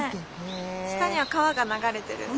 下には川が流れてるんです。